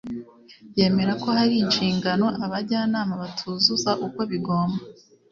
yemera ko hari inshingano abajyanama batuzuza uko bigomba